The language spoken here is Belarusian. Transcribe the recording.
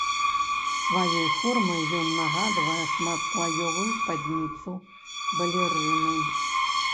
Сваёй формай ён нагадвае шматслаёвую спадніцу балерыны.